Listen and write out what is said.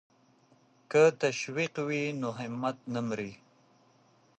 که تشویق وي نو همت نه مري.